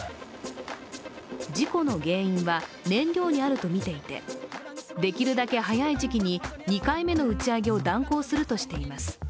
事故の原因は燃料にあるとみていて、できるだけ早い時期に２回目の打ち上げを断行するとしています。